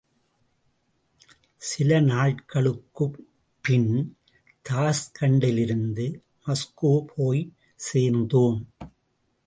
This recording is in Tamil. சில நாள்களுக்குப் பின், தாஷ்கண்டிலிருந்து மாஸ்கோ போய்ச் சேர்ந்தோம்.